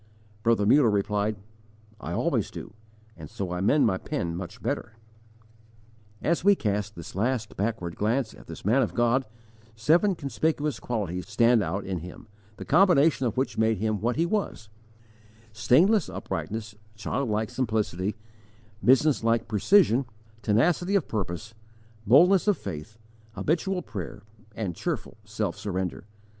Brother Muller replied: "I always do, and so I mend my pen much better." As we cast this last backward glance at this man of God, seven conspicuous qualities stand out in him, the combination of which made him what he was: Stainless uprightness, child like simplicity, business like precision, tenacity of purpose, boldness of faith, habitual prayer, and cheerful self surrender.